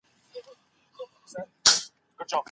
افغان سوداګر د غونډو جوړولو قانوني اجازه نه لري.